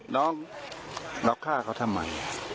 น้องเราฆ่าเขาทำไม